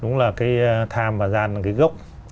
đúng là cái tham và gian là cái gốc